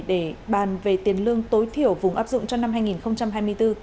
để bàn về tiền lương tối thiểu vùng áp dụng cho năm hai nghìn hai mươi bốn